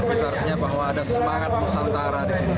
itu artinya bahwa ada semangat pusantara disini